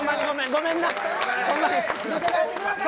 ごめんな。